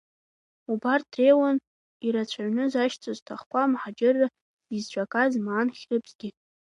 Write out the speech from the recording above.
Убарҭ дреиуан ирацәаҩны зашьцәа-зҭахцәа мҳаџьырра изцәагаз Маан Хьрыԥсгьы.